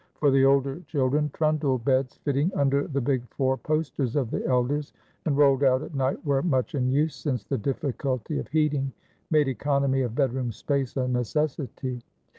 For the older children trundle beds fitting under the big four posters of the elders and rolled out at night were much in use, since the difficulty of heating made economy of bedroom space a necessity.